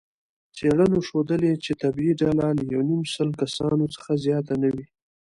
څېړنو ښودلې، چې طبیعي ډله له یونیمسلو کسانو څخه زیاته نه وي.